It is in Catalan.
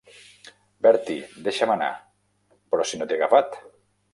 "Bertie, deixa'm anar!" "Però si no t'he agafat."